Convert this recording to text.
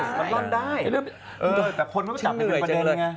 แต่คนมันก็จับไว้เป็นประเด็นไง